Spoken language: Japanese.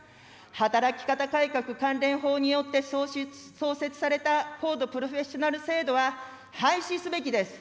働き方改革関連法によって創設された高度プロフェッショナル制度は廃止すべきです。